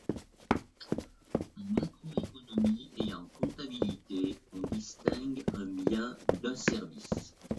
En macroéconomie et en comptabilité, on distingue un bien d'un service.